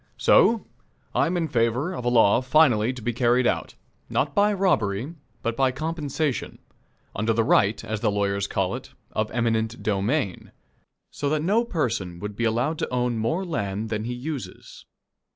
So, I am in favor of a law finally to be carried out not by robbery, but by compensation, under the right, as the lawyers call it, of eminent domain so that no person would be allowed to own more land than he uses.